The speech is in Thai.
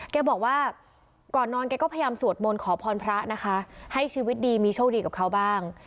แกบอกว่าก่อนนอนแกก็พยายามสวดมนต์ขอพรพระนะคะให้ชีวิตดีมีโชคดีกับเขาบ้าง